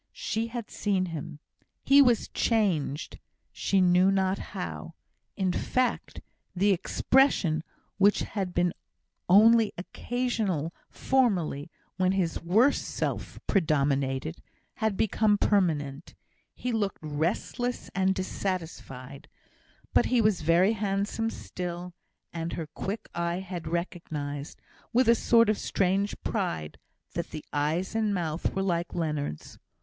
She had seen him. He was changed, she knew not how. In fact, the expression, which had been only occasional formerly, when his worse self predominated, had become permanent. He looked restless and dissatisfied. But he was very handsome still; and her quick eye had recognised, with a sort of strange pride, that the eyes and mouth were like Leonard's.